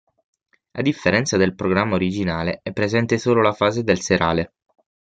A differenza del programma originale, è presente solo la fase del serale.